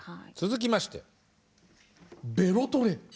続きましてベロトレ。